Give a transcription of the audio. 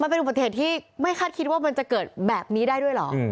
เป็นอุบัติเหตุที่ไม่คาดคิดว่ามันจะเกิดแบบนี้ได้ด้วยเหรอ